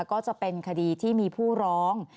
ก็จะเป็นคดีที่มีผู้ร้อง